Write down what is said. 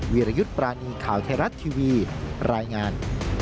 วิรยุทธ์ปรานีข่าวไทยรัฐทีวีรายงาน